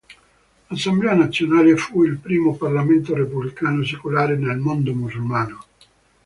Assemblea nazionale fu il primo parlamento repubblicano secolare nel mondo musulmano.